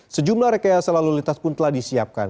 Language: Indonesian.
sejumlah rekayasa lalu lintas pun telah disiapkan